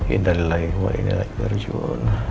indah lilai wah indah lilai garjun